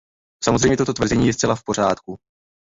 Samozřejmě, toto tvrzení je zcela v pořádku.